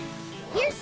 よし！